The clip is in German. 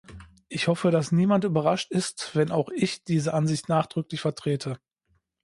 Ich hoffe, dass niemand überrascht ist, wenn auch ich diese Ansicht nachdrücklich vertrete.